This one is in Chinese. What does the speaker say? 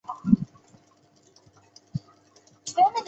卡拉瓦乔同时代的画家对此持截然不同的两种观点。